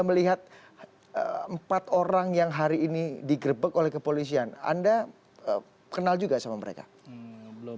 melihat empat orang yang hari ini digrebek oleh kepolisian anda kenal juga sama mereka belum